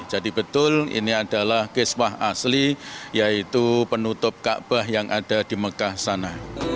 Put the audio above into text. jadi betul ini adalah kiswah asli yaitu penutup ka bah yang ada di mekah sana